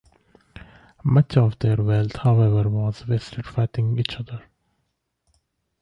Much of their wealth, however, was wasted fighting each other.